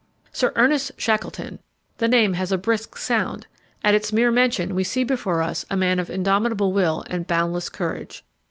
Sir Ernest Shackleton! the name has a brisk sound. At its mere mention we see before us a man of indomitable will and boundless courage.